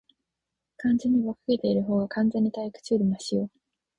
完全に馬鹿げているほうが、完全に退屈よりマシよ。